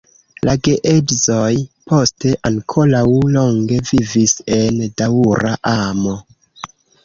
La geedzoj poste ankoraŭ longe vivis en daŭra amo.